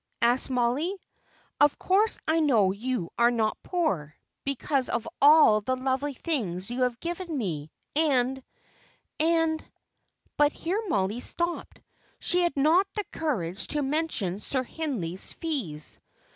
asked Mollie. "Of course I know you are not poor, because of all the lovely things you have given me, and and " But here Mollie stopped; she had not the courage to mention Sir Hindley's fees.